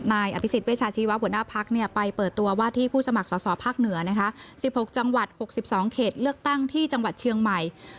นายอภิษฎเวชาชีวะหัวหน้าพักไปเปิดตัวว่าที่ผู้สมัครสอบภาคเหนือนะคะ๑๖จังหวัด๖๒เขตเลือกตั้งที่จังหวัดเชียงใหม่